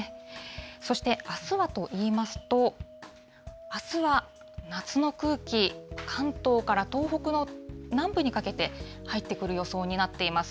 そしてあすはといいますと、あすは夏の空気、関東から東北の南部にかけて、入ってくる予想になっています。